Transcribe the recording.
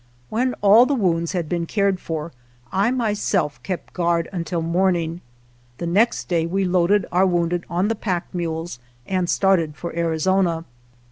When all the wounds had been cared for, I myself kept guard till morning. The next day we loaded our wounded on the pack mules and started for Arizona.